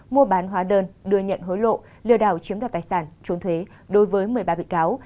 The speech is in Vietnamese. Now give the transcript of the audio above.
mua bán hóa đơn đưa nhận hối lộ lừa đảo chiếm đoạt tài sản trốn thuế đối với một mươi ba bị cáo